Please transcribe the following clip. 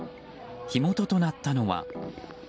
火元となったのは。